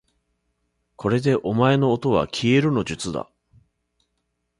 これでお前のおとはきえるの術だ